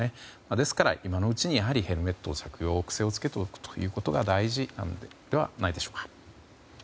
ですから、今のうちにやはりヘルメット着用の癖をつけておくことが大事なのではないでしょうか。